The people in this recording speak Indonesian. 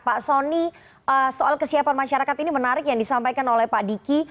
pak soni soal kesiapan masyarakat ini menarik yang disampaikan oleh pak diki